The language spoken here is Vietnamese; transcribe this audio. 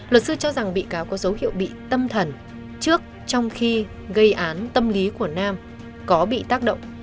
luật sư cho rằng bị cáo có dấu hiệu bị tâm thần trước trong khi gây án tâm lý của nam có bị tác động